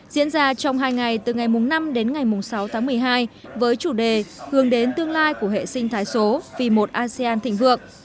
diễn ra trong hai ngày từ ngày năm đến ngày sáu tháng một mươi hai với chủ đề hướng đến tương lai của hệ sinh thái số vì một asean thịnh vượng